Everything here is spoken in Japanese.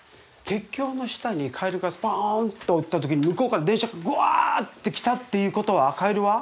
鉄橋の下にカエルがスポンと落ちた時に向こうから電車がゴワって来たっていうことはカエルは？